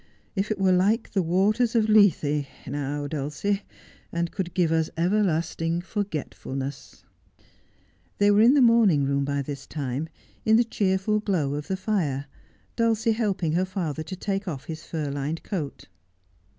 ' If it were like the water of Lethe, now, Dulcie, and could give us everlasting forgetfulness !' They were in the morning room by this time, in the cheerful glow of the fire, Dulcie helping her father to take off his fur lined coat.